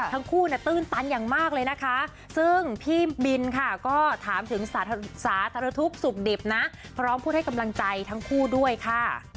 ทั้งคู่เนี่ยตื้นตันอย่างมากเลยนะคะซึ่งพี่บินค่ะก็ถามถึงสาธารณสุขดิบนะพร้อมพูดให้กำลังใจทั้งคู่ด้วยค่ะ